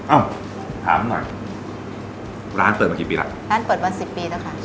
เอ้าถามหน่อยร้านเปิดมากี่ปีแล้วร้านเปิดมาสิบปีแล้วค่ะ